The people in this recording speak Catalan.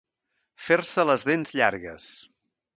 Fer-se les dents llargues.